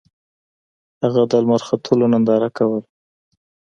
هغه د لمر ختلو ننداره کوله.